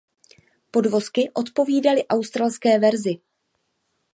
Podvozky odpovídaly australské verzi.